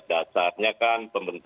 dasarnya kan pemerintahnya